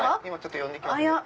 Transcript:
呼んできます